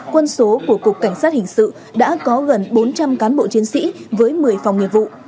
quân số của cục cảnh sát hình sự đã có gần bốn trăm linh cán bộ chiến sĩ với một mươi phòng nghiệp vụ